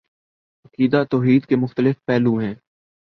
عقیدہ توحید کے مختلف پہلو ہیں